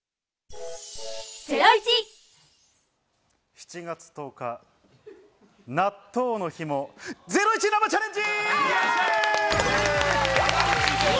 ７月１０日、納豆の日もゼロイチ生チャレンジ！